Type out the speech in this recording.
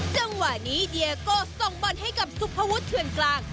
จังหวะนี้เดียโก้ส่งบอลให้กับสุภวุฒิเถื่อนกลาง